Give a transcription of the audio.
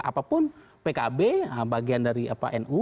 apapun pkb bagian dari nu